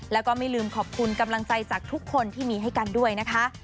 แล้วก็ไม่ลืมขอบคุณกำลังใจจากทุกคนที่มีให้กันด้วยนะคะ